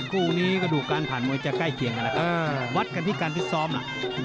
คู่นี้กระดูกการผ่านมวยจะใกล้เคียงกันแล้วเออวัดกันที่การพิษซ้อมล่ะ